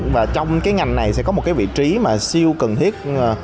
và trong cái ngành này sẽ có một cái vị trí mà siêu cần thiết